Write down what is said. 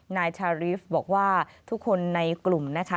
นายชารีฟบอกว่าทุกคนในกลุ่มนะคะ